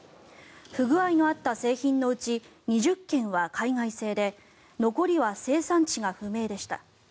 不具合があった製品のうち２０件は海外製で残りは生産地が不明でした。